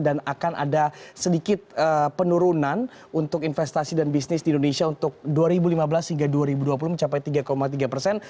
dan akan ada sedikit penurunan untuk investasi dan bisnis di indonesia untuk dua ribu lima belas hingga dua ribu dua puluh mencapai tiga tiga persen